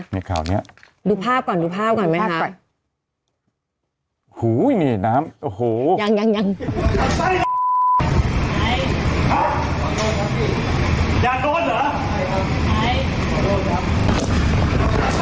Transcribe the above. ไม่พอนะครับนี่ไงครับ